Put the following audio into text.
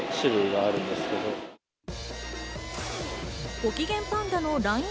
ごきげんぱんだのＬＩＮＥ